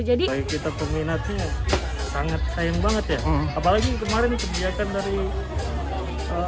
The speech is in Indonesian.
kita peminatnya sangat sayang banget ya apalagi kemarin kebijakan dari